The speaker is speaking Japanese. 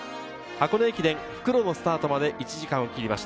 箱根駅伝、復路のスタートまで１時間を切りました。